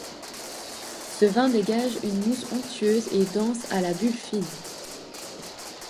Ce vin dégage une mousse onctueuse et dense, à la bulle fine.